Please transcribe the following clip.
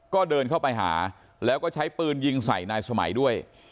ก็เดินเข้าไปหาแล้วก็ใช้ปืนยิงใส่นายสมัยด้วย